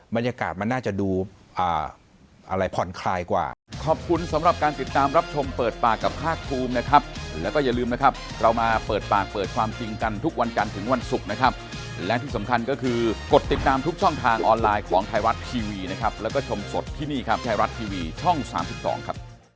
บรรยากาศมันน่าจะดูอะไรผ่อนคลายกว่า